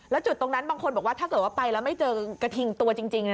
แล้วจุดตรงนั้นบางคนบอกว่าถ้าเกิดว่าไปแล้วไม่เจอกระทิงตัวจริง